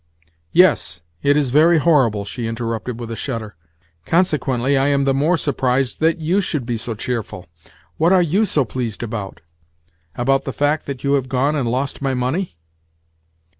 "Yes, it is very horrible," she interrupted with a shudder. "Consequently, I am the more surprised that you should be so cheerful. What are you so pleased about? About the fact that you have gone and lost my money?"